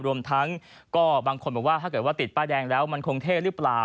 รวมทั้งก็บางคนบอกว่าถ้าเกิดว่าติดป้ายแดงแล้วมันคงเท่หรือเปล่า